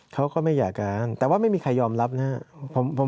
เขาก็ไม่อยากกลางแต่ว่าไม่มีใครยอมรับนะครับ